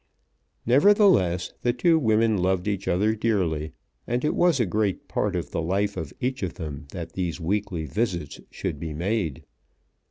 Nevertheless the two women loved each other dearly, and it was a great part of the life of each of them that these weekly visits should be made.